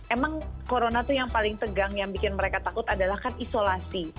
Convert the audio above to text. emang corona tuh yang paling tegang yang bikin mereka takut adalah kan isolasi